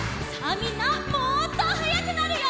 みんなもっとはやくなるよ。